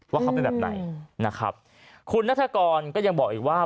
ว่าเขาเป็นแบบไหนนะครับคุณนัฐกรก็ยังบอกอีกว่า